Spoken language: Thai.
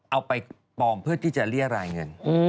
เอาไปปลอมเพื่อที่จะเรียรายเงิน